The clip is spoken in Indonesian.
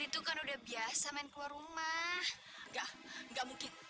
itu kan udah biasa main keluar rumah nggak mungkin